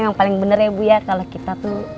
yang paling benar ya bu ya kalau kita tuh